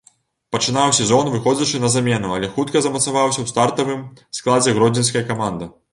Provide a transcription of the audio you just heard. Пачынаў сезон, выходзячы на замену, але хутка замацаваўся ў стартавым складзе гродзенскай каманды.